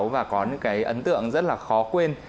và có những ấn tượng rất là khó quên